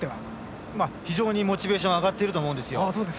非常にモチベーション上がっていると思います。